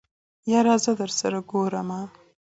يره زه درسره ګورم.